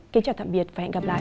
kính chào tạm biệt và hẹn gặp lại